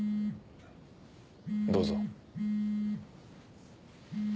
どうぞ。